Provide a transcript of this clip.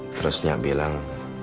terus nya bilang